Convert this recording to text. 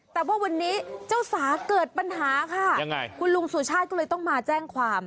แต่ว่าวันนี้เจ้าสาเกิดปัญหาค่ะยังไงคุณลุงสุชาติก็เลยต้องมาแจ้งความ